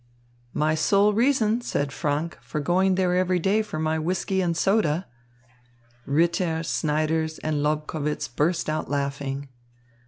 "My sole reason," said Franck, "for going there every day for my whisky and soda." Ritter, Snyders and Lobkowitz burst out laughing.